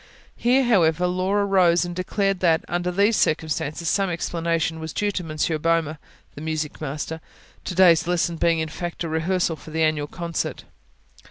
Here, however, Laura rose and declared that, under these circumstances, some explanation was due to Monsieur Boehmer, the music master, to day's lesson being in fact a rehearsal for the annual concert.